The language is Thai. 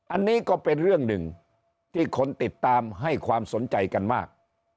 อันนี้ก็เป็นเรื่องหนึ่งที่คนติดตามให้ความสนใจกันมาก